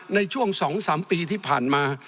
ในช่วง๒๓ปีที่ผ่านมา